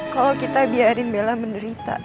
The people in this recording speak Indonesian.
kalau kita biarin bella menderita